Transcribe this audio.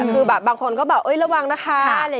มันบางคนก็แบบระวังนะคะ